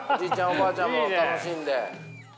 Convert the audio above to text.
おばあちゃんも楽しんで。